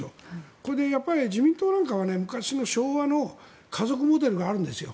これで自民党なんかは昔の昭和の家族モデルがあるんですよ。